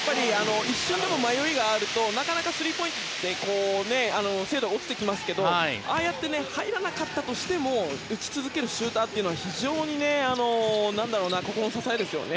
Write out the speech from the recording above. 一瞬でも迷いがあるとスリーポイントって精度が落ちてきますけどああやって入らなかったとしても打ち続けるシューターは非常に心の支えですよね